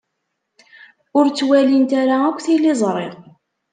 Ur ttwalint ara akk tiliẓri.